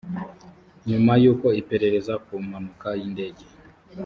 nyuma y uko iperereza ku mpanuka y indege